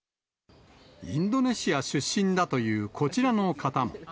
インドネシア出身だというこちらの方も。